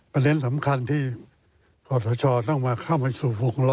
เพราะว่าการ